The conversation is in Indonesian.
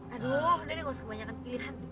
aduh udah deh gak usah kebanyakan pilihan